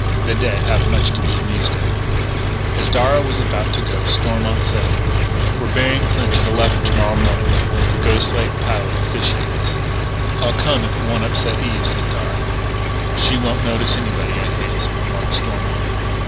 The dead have much to be amused at. As Darragh was about to go, Stormont said: "We're burying Clinch at eleven to morrow morning. The Ghost Lake Pilot officiates." "I'll come if it won't upset Eve," said Darragh. "She won't notice anybody, I fancy," remarked Stormont.